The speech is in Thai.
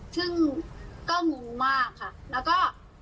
ซึ่งก็งงมากค่ะแล้วก็